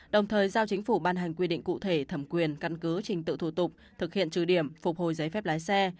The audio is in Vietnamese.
đồng thời giao chính phủ ban hành quy định cụ thể thẩm quyền căn cứ trình tự thủ tục thực hiện trừ điểm phục hồi giấy phép lái xe